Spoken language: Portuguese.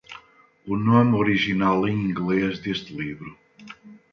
O nome original em inglês deste livro